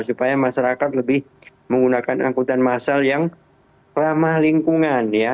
supaya masyarakat lebih menggunakan angkutan massal yang ramah lingkungan ya